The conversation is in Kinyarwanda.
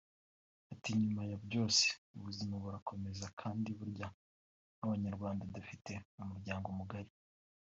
Ati “Nyuma ya byose ubuzima burakomeza kandi burya nk’Abanyarwanda dufite umuryango mugari